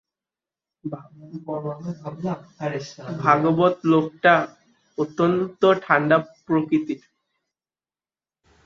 ভাগবত লোকটা অত্যন্ত ঠাণ্ডা প্রকৃতির।